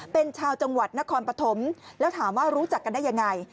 เป็นชาวจังหวัดนครปฐมแล้วถามว่ารู้จักกันได้ยังไง